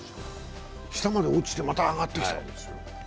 下まで落ちてまた上がってきたんですよ。